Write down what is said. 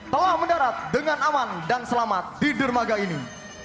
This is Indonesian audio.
telah mendarat dengan aman dan selamat di dermaga ini